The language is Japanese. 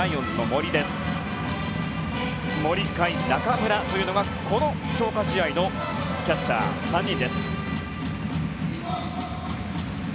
森、甲斐、中村というのが強化試合のキャッチャー３人。